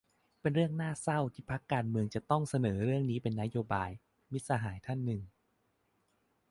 เป็นเรื่องเศร้าที่พรรคการเมืองจะต้องเสนอเรื่องนี้เป็นนโยบาย - มิตรสหายท่านหนึ่ง